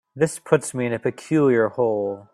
This puts me in a peculiar hole.